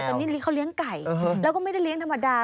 แต่นี่เขาเลี้ยงไก่แล้วก็ไม่ได้เลี้ยงธรรมดา